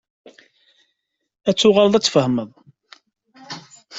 Ad ttuɣaleḍ ad ttfehmeḍ.